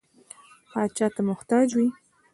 پاچا ته محتاج وي.